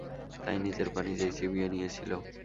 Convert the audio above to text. তাই নিজের পা নিজেই চিবিয়ে নিয়েছিল।